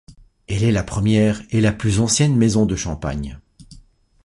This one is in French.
Elle est la première et la plus ancienne maison de Champagne.